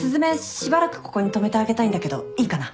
しばらくここに泊めてあげたいんだけどいいかな？